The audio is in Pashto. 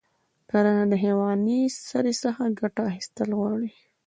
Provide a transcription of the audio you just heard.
کرنه د حیواني سرې څخه ګټه اخیستل غواړي.